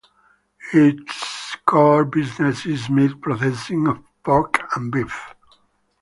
Its core business is meat processing of pork and beef.